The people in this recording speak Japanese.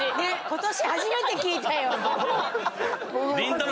ことし初めて聞いたよ。